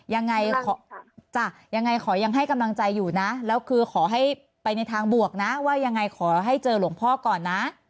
ยังไงขอจ้ะยังไงขอยังให้กำลังใจอยู่นะแล้วคือขอให้ไปในทางบวกนะว่ายังไงขอให้เจอหลวงพ่อก่อนนะ